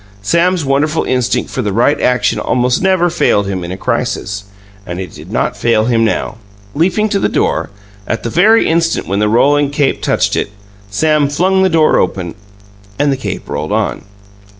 Sam's wonderful instinct for the right action almost never failed him in a crisis, and it did not fail him now. Leaping to the door, at the very instant when the rolling cape touched it, Sam flung the door open and the cape rolled on.